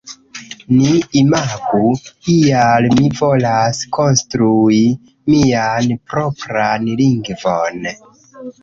Ni imagu, ial mi volas konstrui mian propran lingvon.